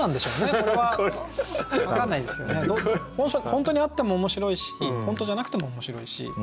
本当にあっても面白いし本当じゃなくても面白いし。